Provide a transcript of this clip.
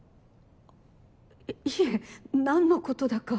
いえ何のことだか。